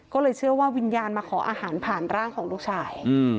ก็เลยเชื่อว่าวิญญาณมาขออาหารผ่านร่างของลูกชาย